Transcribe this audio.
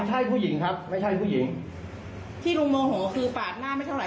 ใช่ผู้หญิงครับไม่ใช่ผู้หญิงที่ลุงโมโหคือปาดหน้าไม่เท่าไ